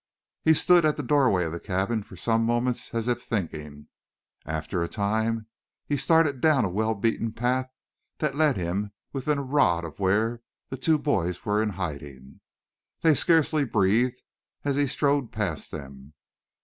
He stood at the doorway of the cabin for some moments as if thinking. After a time he started down a well beaten path that led him within a rod of where the two boys were in hiding. They scarcely breathed as he strode past them.